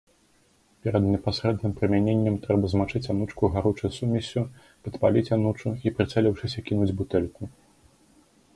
Перад непасрэдным прымяненнем трэба змачыць анучку гаручай сумессю, падпаліць анучу, і прыцэліўшыся кінуць бутэльку.